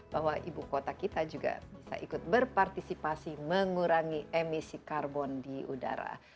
bahwa ibu kota kita juga bisa ikut berpartisipasi mengurangi emisi karbon di udara